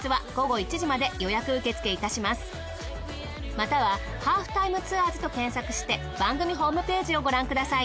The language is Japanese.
または『ハーフタイムツアーズ』と検索して番組ホームページをご覧ください。